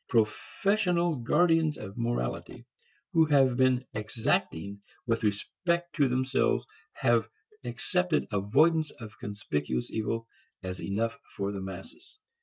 Professional guardians of morality who have been exacting with respect to themselves have accepted avoidance of conspicuous evil as enough for the masses.